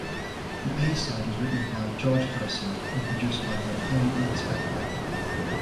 The A-side was written by George Harrison, and produced by both him and Spector.